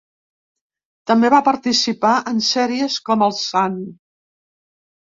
També va participar en sèries com El Sant.